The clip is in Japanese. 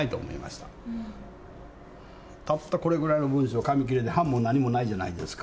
たったこれぐらいの文章、紙切れで判も何もないじゃないですか。